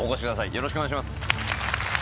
よろしくお願いします